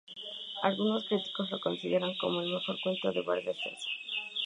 Algunos críticos lo consideran como el mejor cuento de Vargas Llosa.